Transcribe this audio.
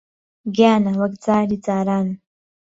گیانە، وەک جاری جاران